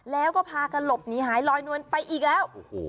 แล้วก็พากันหลบหนีหายลอยนวลไปอีกแล้ว